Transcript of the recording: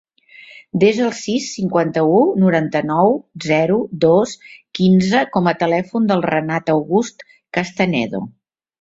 Desa el sis, cinquanta-u, noranta-nou, zero, dos, quinze com a telèfon del Renat August Castanedo.